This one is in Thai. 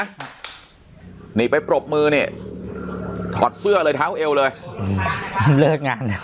ครับหนีไปปรบมือเนี้ยถอดเสื้อเลยแถวเอวเลยเลิกงาน